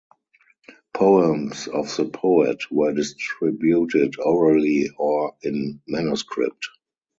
Poems of the poet were distributed orally or in manuscript.